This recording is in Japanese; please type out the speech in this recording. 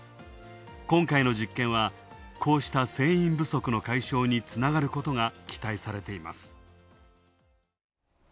今回の実験はこうした船員不足の解消につながることが期待されています。